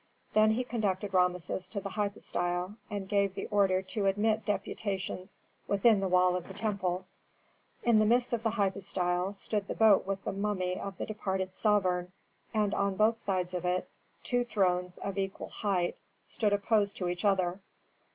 Then he conducted Rameses to the hypostyle and gave the order to admit deputations within the wall of the temple. [Illustration: General View of the Ruins of Karnak] In the midst of the hypostyle stood the boat with the mummy of the departed sovereign, and on both sides of it, two thrones of equal height stood opposed to each other.